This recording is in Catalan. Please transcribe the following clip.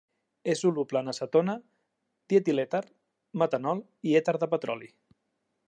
És soluble en acetona, dietilèter, metanol i èter de petroli.